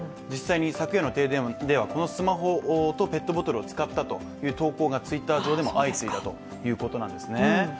実際に昨夜の停電ではこのスマホとペットボトルを使ったという投稿がＴｗｉｔｔｅｒ上でも相次いだということなんですね。